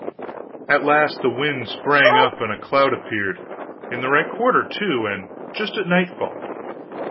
At last the wind sprang up and a cloud appeared in the right quarter, too, and just at nightfall.